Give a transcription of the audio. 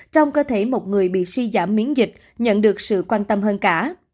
trong cơ thể một người bị suy giảm miễn dịch nhận được sự quan tâm hơn cả